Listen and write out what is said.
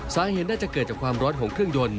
สาเหตุน่าจะเกิดจากความร้อยห่วงแซง